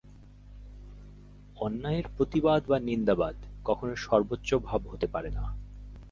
অন্যায়ের প্রতিবাদ বা নিন্দাবাদ কখনও সর্বোচ্চ ভাব হতে পারে না।